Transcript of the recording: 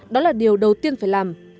đó là điều đầu tiên phải làm